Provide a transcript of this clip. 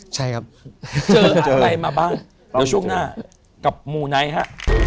ใช่ครับเจออะไรมาบ้างเดี๋ยวช่วงหน้ากับหมู่ไนท์ฮะ